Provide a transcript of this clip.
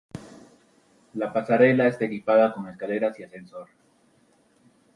La pasarela está equipada con escaleras y ascensor.